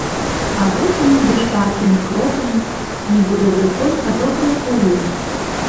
А восень ідзе шпаркімі крокамі, нібы добры конь пад добрую пугу.